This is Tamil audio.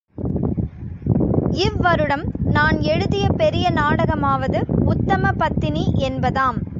இவ்வருடம் நான் எழுதிய பெரிய நாடகமாவது உத்தம பத்தினி என்பதாம்.